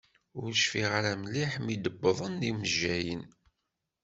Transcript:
Ur cfiɣ ara mliḥ mi d-uwḍen yimejjayen.